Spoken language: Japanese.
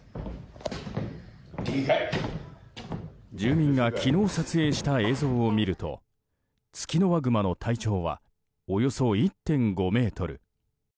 住民が昨日撮影した映像を見るとツキノワグマの体長はおよそ１．５ｍ。